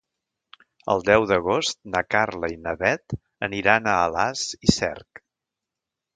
El deu d'agost na Carla i na Bet aniran a Alàs i Cerc.